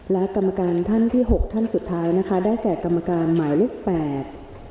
และท่านที่๖ท่านสุดท้ายนะคะได้แก่กรรมการหมายเลข๘